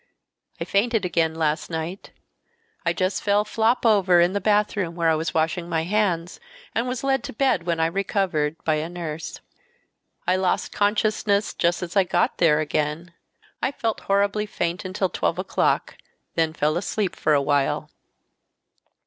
"I fainted again last night. I just fell flop over in the bathroom where I was washing my hands and was led to bed when I recovered, by a nurse. I lost. consciousness just as I got there again. I felt horribly faint until 12 o'clock, then fell asleep for awhile."